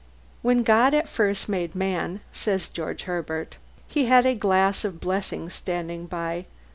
When God at first made man (says George Herbert) He had a "glass of blessings standing by."